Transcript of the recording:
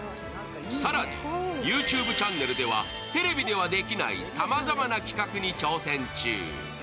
更に、ＹｏｕＴｕｂｅチャンネルではテレビではできないさまざまな企画に挑戦中。